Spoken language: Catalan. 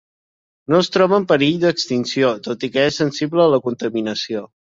No es troba en perill d'extinció, tot i que és sensible a la contaminació.